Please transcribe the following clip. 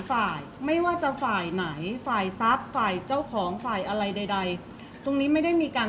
เพราะว่าสิ่งเหล่านี้มันเป็นสิ่งที่ไม่มีพยาน